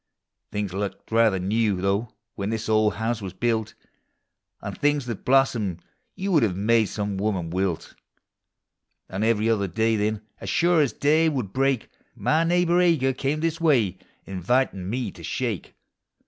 Things looked rather new, though, when this old house was built ; And things that blossomed you would \e made some women wilt ; And every other day, then, as sure as day would break, My neighbor Ager come this way, invitin' me to " shake."